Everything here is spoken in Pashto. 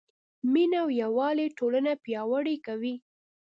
مینه او یووالی ټولنه پیاوړې کوي.